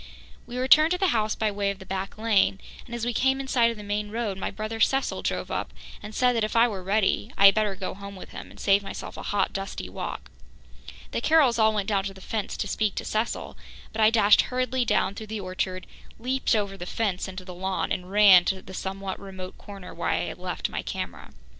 We returned to the house by way of the back lane and, as we came in sight of the main road, my brother Cecil drove up and said that if I were ready, I had better go home with him and save myself a hot, dusty walk. The Carrolls all went down to the fence to speak to Cecil, but I dashed hurriedly down through the orchard, leaped over the fence into the lawn and ran to the somewhat remote corner where I had left my camera.